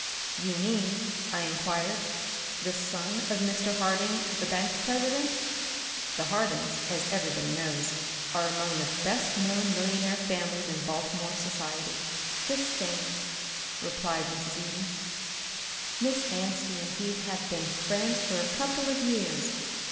"You mean," I inquired, "the son of Mr. Harding, the bank president?" The Hardings, as everybody knows, are among the best known millionaire families in Baltimore society. "The same," replied Mrs. Eden. "Miss Anstey and he have been friends for a couple of years.